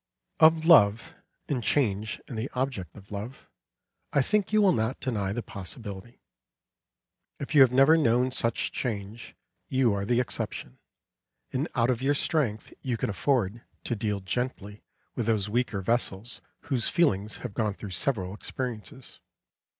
Of love, and change in the object of love, I think you will not deny the possibility. If you have never known such change, you are the exception, and out of your strength you can afford to deal gently with those weaker vessels whose feelings have gone through several experiences.